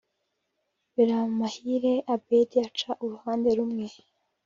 Biramahire Abeddy aca uruhande rumwe